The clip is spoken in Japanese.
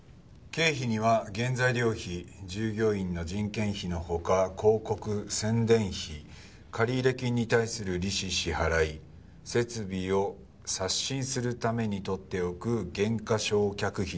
「経費には原材料費従業員の人件費の他広告・宣伝費借入金に対する利子支払い設備を刷新するために取っておく減価償却費なども含まれる」